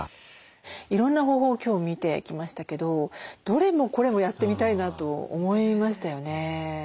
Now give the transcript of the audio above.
いろんな方法を今日見てきましたけどどれもこれもやってみたいなと思いましたよね。